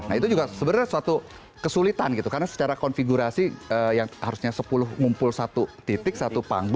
nah itu juga sebenarnya suatu kesulitan gitu karena secara konfigurasi yang harusnya sepuluh ngumpul satu titik satu panggung